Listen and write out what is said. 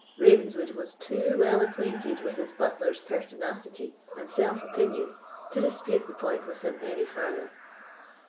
Ravenswood was too well acquainted with his butler's pertinacity and self opinion to dispute the point with him any farther.